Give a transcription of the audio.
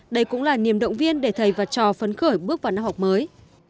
đây cũng là niềm động viên để thầy và trò phấn khởi bước vào năm học mới